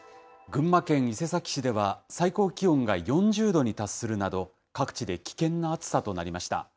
群馬県伊勢崎市では最高気温が４０度に達するなど、各地で危険な暑さとなりました。